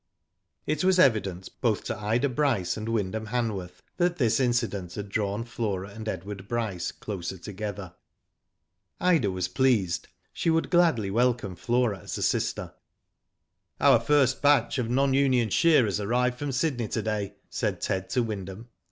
It was evident both to Ida Bryce and Wyndham Hanworth that this incident had drawn Flora and Edward Bryce closer together. Ida was pleased. She would gladly welcome Flora as a sister. " Our first batch of non union shearers arrive from Sydney to day," said Ted to Wyndham.